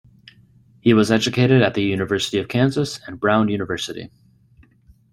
He was educated at the University of Kansas, and Brown University.